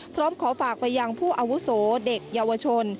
พร้อมขอฝากไปยังผู้อาวุโสเด็กเยาวชน